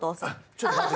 ⁉ちょっと待って。